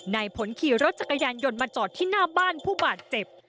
นายผลขี่รถจักรยานยนต์มาจอดที่หน้าบ้านผู้บาดเจ็บ